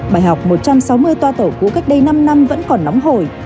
bài học một trăm sáu mươi toa tàu cũ cách đây năm năm vẫn còn nóng hồi